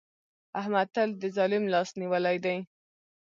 احمد تل د ظالم لاس نيولی دی.